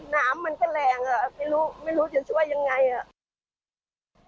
น้ำมันก็แรงอ่ะไม่รู้ไม่รู้จะช่วยยังไงอ่ะ